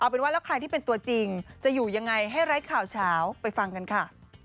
เป็นว่าแล้วใครที่เป็นตัวจริงจะอยู่ยังไงให้ไร้ข่าวเฉาไปฟังกันค่ะ